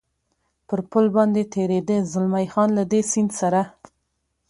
پر پل باندې تېرېده، زلمی خان: له دې سیند سره.